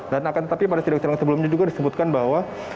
dan akan tetapi pada sidang sidang sebelumnya juga disebutkan bahwa